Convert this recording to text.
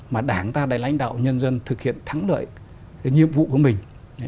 mà đảng ta đã lãnh đạo nhân dân thực hiện thắng lợi cái nhiệm vụ của mình